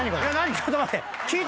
ちょっと待って。